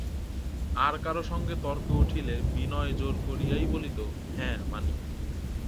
আর কারো সঙ্গে তর্ক উঠিলে বিনয় জোর করিয়াই বলিত, হাঁ, মানি।